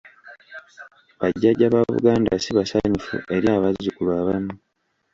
Bajjajja ba Buganda si basanyufu eri abazzukulu abamu.